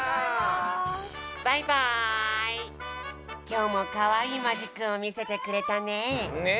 今日もかわいいマジックを見せてくれたね。